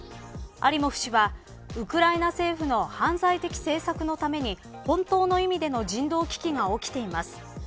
アリモフ氏はウクライナ政府の犯罪的政策のために本当の意味での人道危機が起きています。